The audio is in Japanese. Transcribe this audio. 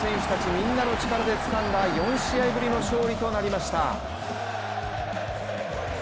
みんなの力でつかんだ４試合ぶりの勝利となりました。